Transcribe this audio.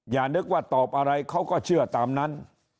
อย่านึกว่าตอบอะไรเขาก็เชื่อตามนั้น